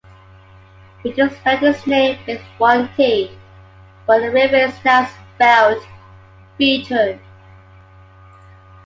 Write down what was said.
Beaton spelled his name with one "t" but the river is now spelled Beatton.